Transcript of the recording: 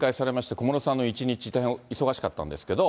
小室さんの一日、忙しかったんですけれども。